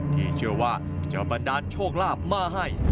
ที่เชื่อว่าจะบันดาลโชคลาภมาให้